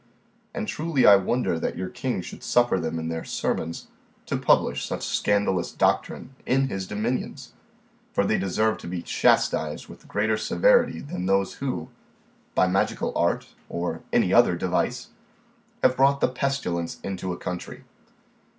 And truly I wonder that your king should suffer them in their sermons to publish such scandalous doctrine in his dominions; for they deserve to be chastised with greater severity than those who, by magical art, or any other device, have brought the pestilence into a country.